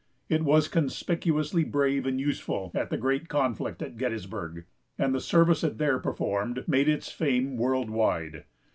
It was conspicuously brave and useful at the great conflict at Gettysburg, and the service it there performed made its fame world wide.